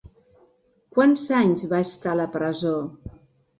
Quants anys va estar a la presó?